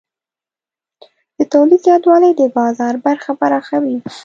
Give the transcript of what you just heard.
د تولید زیاتوالی د بازار برخه پراخوي.